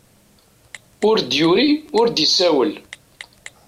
Ur d-yuri ur d-isawel.